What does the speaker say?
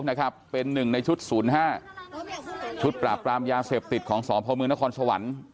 บุญเขียวนะครับเป็นหนึ่งในชุดศูนย์๕ชุดปรากรามยาเสพติดของสอบพระมือนครสวรรค์